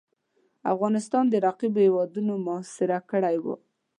افغانستان د رقیبو هیوادونو محاصره کړی وو.